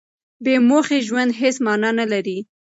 بې موخې ژوند هېڅ مانا نه لري.